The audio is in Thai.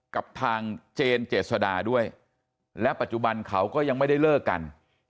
กับทางเจนเจษดาด้วยและปัจจุบันเขาก็ยังไม่ได้เลิกกัน